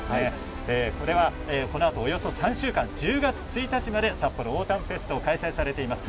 これは、このあとおよそ３週間、１０月１日までさっぽろオータムフェスト開催されています。